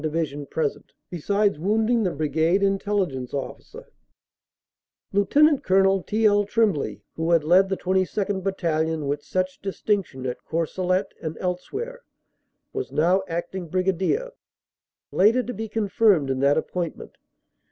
Divi sion present, besides wounding the Brigade Intelligence Officer. Lt. Col. T. L. Tremblay, who had led the 22nd. Battalion with such distinction at Courcelette and elsewhere, was now Acting Brigadier, later to be confirmed in that ap pointment.